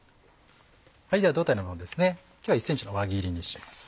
では胴体の部分を今日は１ｃｍの輪切りにします。